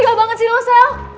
tegal banget sih lo sel